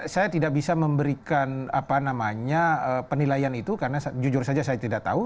saya tidak bisa memberikan penilaian itu karena jujur saja saya tidak tahu